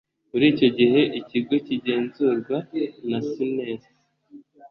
Muri icyo gihe ikigo kigenzurwa na sinesi